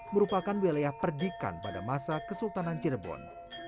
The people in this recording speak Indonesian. merupakan wilayah perdikan pada masa kesultanan cirebon